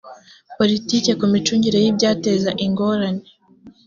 politiki ku micungire y ibyateza ingorane